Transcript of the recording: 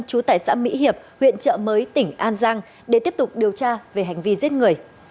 chú tài xã mỹ hiệp huyện chợ mới tỉnh an giang để tiếp tục điều tra về hành vi giết người